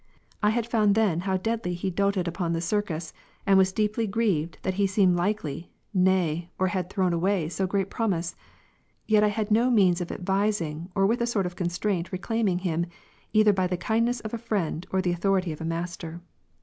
I had found then how deadly he doted upon the Circus, and was deeply grieved that he seemed likely, nay, or had thrown away so great promise : yet had I no means of advising or with a sort of constraint reclaiming him, either by the kindness of a friend, or the authority of a master.